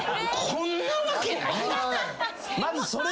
こんなわけないやん。